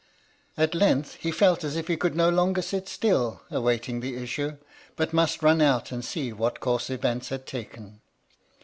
" At length, he felt as if he could no longer sit still, awaiting the issue, but must run out and see what course events had taken.